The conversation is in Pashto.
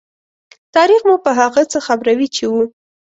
تاریخ مو په هغه څه خبروي چې وو.